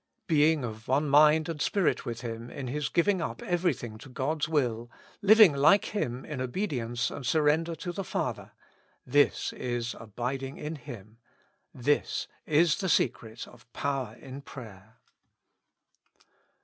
Being of one mind and spirit with Him in His giving up everything to God's will, living like Him in obedience and surrender to the Father ; this is abiding in Him ; this is the secret of power in prayer.